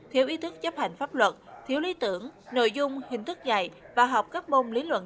thiếu ý thức chấp hành pháp luật thiếu lý tưởng nội dung hình thức dạy và học các môn lý luận